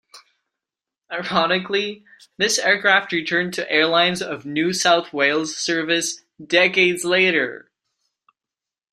Ironically this aircraft returned to Airlines of New South Wales service decades later.